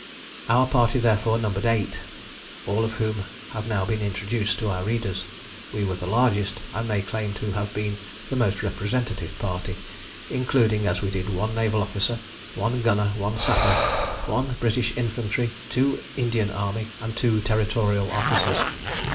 Our party therefore numbered eight, all of whom have now been introduced to our readers. We were the largest, and may claim to have been the most representative party, including as we did one naval officer, one gunner, one sapper, one British Infantry, two Indian Army, and two Territorial officers.